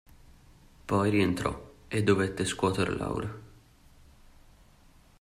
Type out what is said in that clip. Poi rientrò e dovette scuoter Laura.